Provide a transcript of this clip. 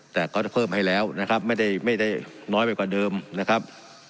แต่ก็จะเพิ่มให้แล้วนะครับไม่ได้น้อยไปกว่าเดิมนะครับ